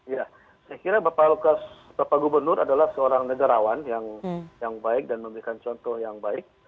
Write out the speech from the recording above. ya saya kira bapak lukas bapak gubernur adalah seorang negarawan yang baik dan memberikan contoh yang baik